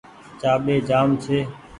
چآٻي جآم ڇي۔